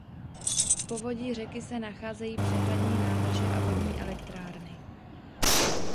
V povodí řeky se nacházejí přehradní nádrže a vodní elektrárny.